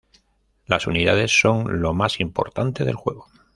Las unidades son lo más importante del juego.